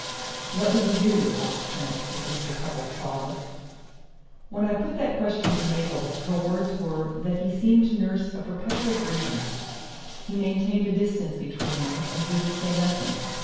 "What did he do?" asked Trent, as Mr. Cupples paused. "When I put that question to Mabel, her words were that he seemed to nurse a perpetual grievance. He maintained a distance between them, and he would say nothing.